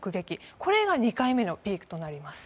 これが２回目のピークとなります。